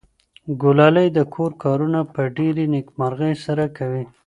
ګلالۍ د کور کارونه په ډېرې نېکمرغۍ سره کوي.